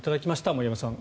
森山さん